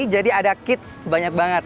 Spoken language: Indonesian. jadi ada kids banyak banget